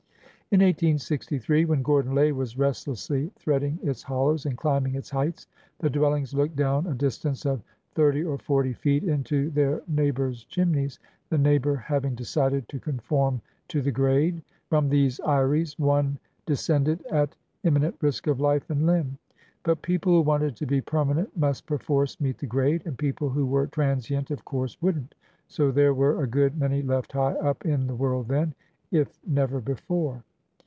In 1863, when Gordon Lay was restlessly threading its hollows and climbing its heights, the dwellings looked down a distance of thirty or forty feet into their neigh bors' chimneys, the neighbor having decided to conform to the grade. From these aeries one descended at immi nent risk of life and limb. But people who wanted to be permanent must perforce meet the grade, and people who were transient of course would n't, so there were a good many left high up in the world then, if never before.